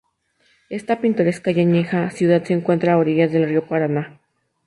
Esta pintoresca y añeja ciudad se encuentra a orillas del río Paraná.